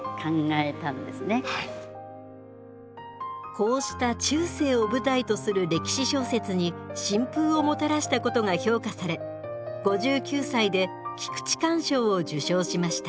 こうした中世を舞台とする歴史小説に新風をもたらしたことが評価され５９歳で菊池寛賞を受賞しました。